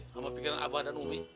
sama pikiran abah dan umi